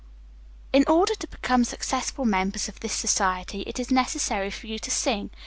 "In order to become successful members of this society, it is necessary for you to sing.